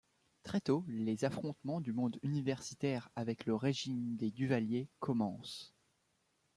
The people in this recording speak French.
Très tôt, les affrontements du monde universitaire avec le régime des Duvalier commencent.